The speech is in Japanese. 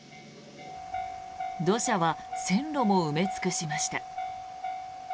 土砂は線路も埋め尽くしました。